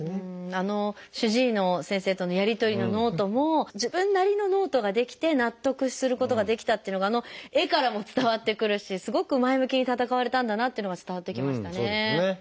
あの主治医の先生とのやり取りのノートも自分なりのノートが出来て納得することができたっていうのがあの絵からも伝わってくるしすごく前向きに闘われたんだなってのが伝わってきましたね。